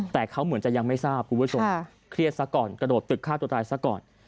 แต่เขาเหมือนจะยังไม่ทราบคุณผู้ชมเครียดซะก่อนกระโดดตึกฆ่าตัวตายซะก่อน